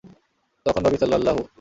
তখন নবী সাল্লাল্লাহু।